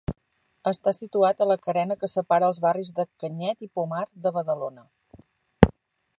Està situat a la carena que separa els barris de Canyet i Pomar, de Badalona.